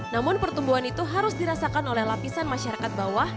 namun pertumbuhan itu harus dirasakan oleh lapisan masyarakat bawah